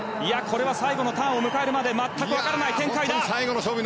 最後のターンを迎えるまで全く分からない展開だ。